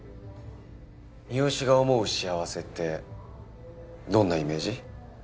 三好が思う幸せってどんなイメージ？